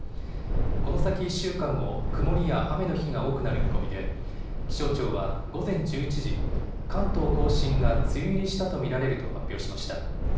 この先１週間も曇りや雨の日が多くなる見込みで気象庁は午前１１時、関東甲信が梅雨入りしたと見られると発表しました。